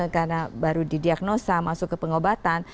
karena baru didiagnosa masuk ke pengobatan